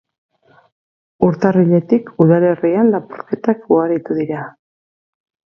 Urtarriletik udalerrian lapurretak ugaritu dira.